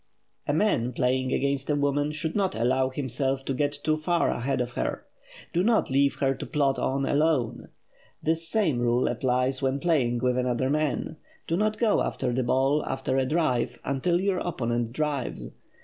A man, playing against a woman, should not allow himself to get too far ahead of her. Do not leave her to plod on alone. This same rule applies when playing with another man. Do not go after the ball after a drive until your opponent drives.